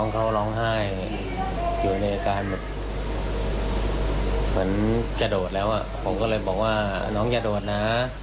ผมก็เลยบอกว่าน้องอย่าโดดนะ